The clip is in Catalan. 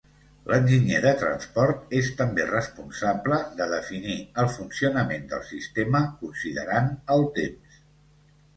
L'enginyer de transport és també responsable de definir el funcionament del sistema considerant el temps.